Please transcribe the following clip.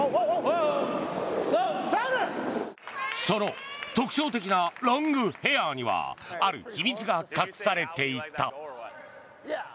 その特徴的なロングヘアにはある秘密が隠されていた。